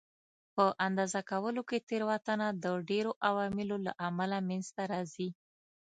په اندازه کولو کې تېروتنه د ډېرو عواملو له امله رامنځته کېږي.